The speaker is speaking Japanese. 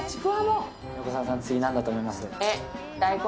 次何だと思います？